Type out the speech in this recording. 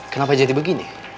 kenapa jadi begini